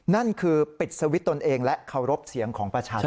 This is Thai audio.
นั่นคือปิดสวิตช์ตนเองและเคารพเสียงของประชาชน